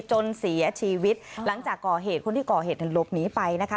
จนเสียชีวิตหลังจากก่อเหตุคนที่ก่อเหตุหลบหนีไปนะคะ